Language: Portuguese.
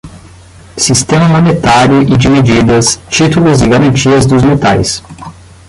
sistema monetário e de medidas, títulos e garantias dos metais;